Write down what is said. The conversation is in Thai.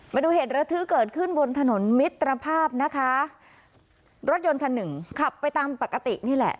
มาดูเหตุระทึกเกิดขึ้นบนถนนมิตรภาพนะคะรถยนต์คันหนึ่งขับไปตามปกตินี่แหละ